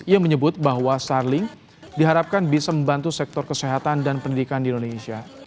ia menyebut bahwa sarling diharapkan bisa membantu sektor kesehatan dan pendidikan di indonesia